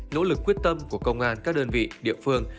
nỗ lực quyết tâm của công an các đơn vị địa phương